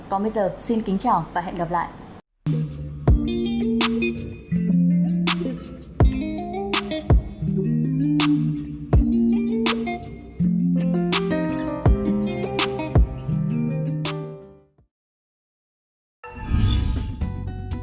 còn bây giờ xin kính chào và hẹn gặp lại